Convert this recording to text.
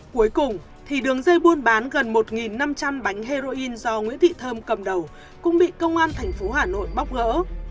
cuối cùng thì đường dây buôn bán gần một năm trăm linh bánh heroin do nguyễn thị thơm cầm đầu cũng bị công an thành phố hà nội bóc gỡ